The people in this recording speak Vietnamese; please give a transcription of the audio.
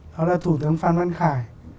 đó là thủ tướng pháp luân khải